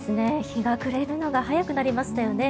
日が暮れるのが早くなりましたよね。